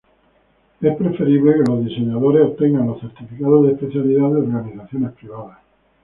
Es preferible que los diseñadores obtengan los certificados de especialidad de organizaciones privadas.